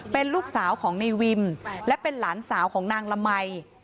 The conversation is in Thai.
เป็นลูกสาวของในวิมและเป็นหลานสาวของนางละมัย